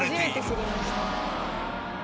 初めて知りました。